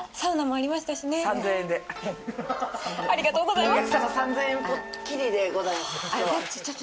ありがとうございます。